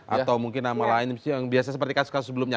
atau mungkin nama lain yang biasa seperti kasus kasus sebelumnya